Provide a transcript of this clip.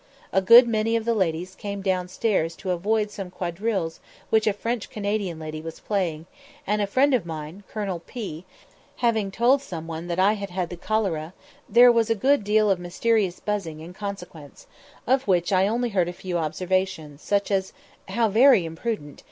A good many of the ladies came down stairs to avoid some quadrilles which a French Canadian lady was playing, and a friend of mine, Colonel P , having told some one that I had had the cholera, there was a good deal of mysterious buzzing in consequence, of which I only heard a few observations, such as "How very imprudent!"